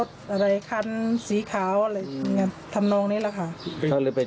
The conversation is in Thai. สองสามีภรรยาคู่นี้มีอาชีพ